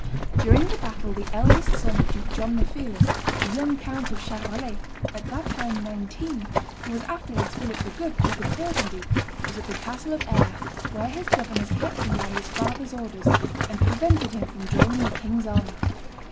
'" During the battle the eldest son of Duke John the Fearless, the young Count of Charolais (at that time nineteen), who was afterwards Philip the Good, Duke of Burgundy, was at the castle of Aire, where his governors kept him by his father's orders and prevented him from joining the king's army.